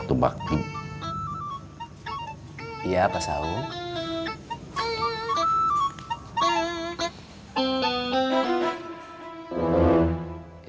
kunming beli dipakai